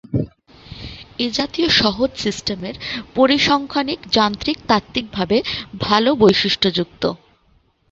এ জাতীয় সহজ সিস্টেমের পরিসংখ্যানিক যান্ত্রিক তাত্ত্বিকভাবে ভাল বৈশিষ্ট্যযুক্ত।